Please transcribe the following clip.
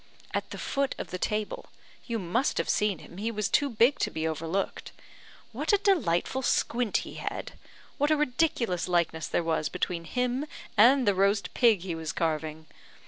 "At the foot of the table. You must have seen him, he was too big to be overlooked. What a delightful squint he had! What a ridiculous likeness there was between him and the roast pig he was carving!